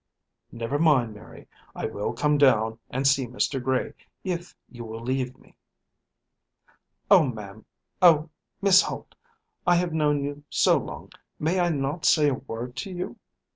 "Never mind, Mary. I will come down and see Mr. Gray if you will leave me." "Oh, ma'am, oh, Miss Holt, I have known you so long, may I not say a word to you?"